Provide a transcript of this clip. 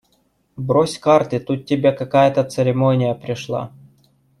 – Брось карты, тут к тебе какая-то церемония пришла!